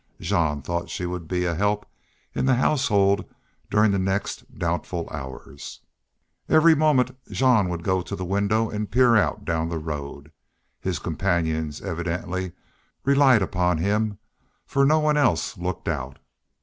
Jean thought she would be a help in that household during the next doubtful hours. Every moment Jean would go to the window and peer out down the road. His companions evidently relied upon him, for no one else looked out.